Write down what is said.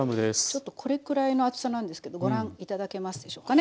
ちょっとこれくらいの厚さなんですけどご覧頂けますでしょうかね。